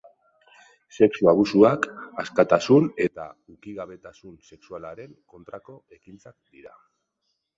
Sexu abusuak askatasun eta ukigabetasun sexualaren kontrako ekintzak dira.